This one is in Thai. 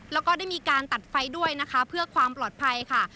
แล้วก็ได้มีการตัดไฟด้วยนะคะเพื่อความปลอดภัยค่ะ